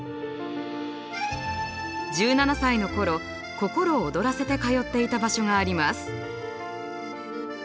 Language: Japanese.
１７歳の頃心躍らせて通っていた場所があります。